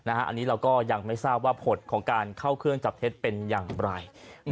อันนี้เราก็ยังไม่ทราบว่าผลของการเข้าเครื่องจับเท็จเป็นอย่างไร